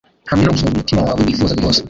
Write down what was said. hamwe no gusohoza umutima wawe wifuza rwose